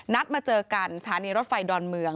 นัดมาเจอกันอาทิตย์รถไฟดอนเมือง